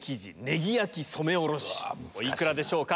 お幾らでしょうか？